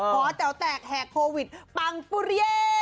หอแจ๋วแตกแหกโควิดปังปุเย่